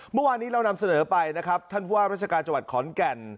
เมื่อวานนี้เรานำเสนอไปนะครับท่านผู้ว่าราชการจังหวัดขอนแก่น